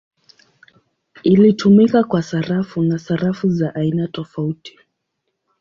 Ilitumika kwa sarafu na sarafu za aina tofauti.